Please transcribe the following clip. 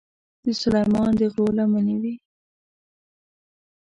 د سلیمان د غرو لمنې وې.